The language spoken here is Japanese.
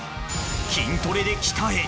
［筋トレで鍛え］